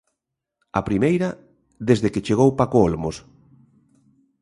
A primeira desde que chegou Paco Olmos.